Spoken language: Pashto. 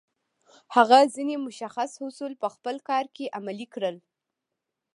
هغه ځينې مشخص اصول په خپل کار کې عملي کړل.